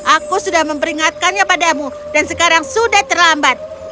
aku sudah memperingatkannya padamu dan sekarang sudah terlambat